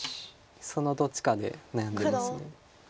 そのどっちかで悩んでます。